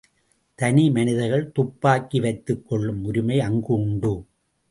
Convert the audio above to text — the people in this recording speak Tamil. தனி மனிதர்கள் துப்பாக்கி வைத்துக் கொள்ளும் உரிமை அங்கு உண்டு.